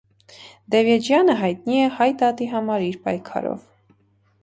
Դևեջյանը հայտնի է Հայ դատի համար իր պայքարով։